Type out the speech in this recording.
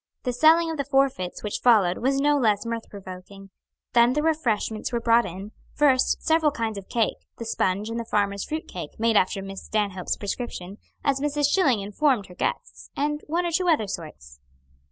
The selling of the forfeits which followed was no less mirth provoking. Then the refreshments were brought in; first, several kinds of cake the sponge and the farmers' fruit cake, made after Miss Stanhope's prescription, as Mrs. Schilling informed her guests, and one or two other sorts.